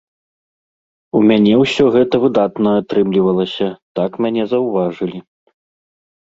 У мяне ўсё гэта выдатна атрымлівалася, так мяне заўважылі.